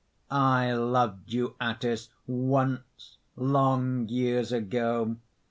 I loved you, Atthis, once, long years ago!